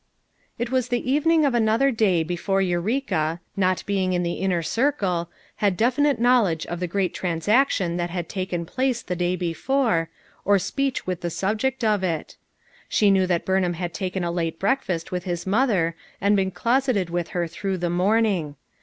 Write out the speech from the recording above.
It was the evening of another day before Eureka, not being in the "inner circle" had definite knowledge of the great transaction that 362 FOUR MOTHERS AT CHAUTAUQUA had taken place tlie day before, or speech with the subject of it She knew that Buniham had taken a late breakfast with his mother and been closeted with her through the morning*.